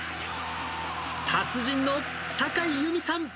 達人の酒井由美さん。